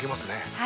はい。